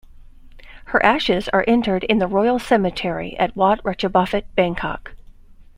Her ashes are interred in the Royal Cemetery at Wat Ratchabophit, Bangkok.